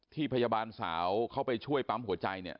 พยาบาลสาวเข้าไปช่วยปั๊มหัวใจเนี่ย